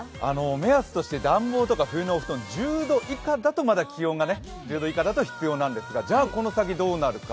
目安として暖房とか冬の布団気温が１０度以下だとまだ必要なんですがじゃあこの先どうなるか。